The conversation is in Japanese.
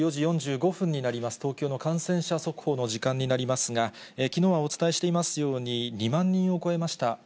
まもなく４時４５分になります、東京の感染者速報の時間になりますが、きのうはお伝えしていますように、２万人を超えました。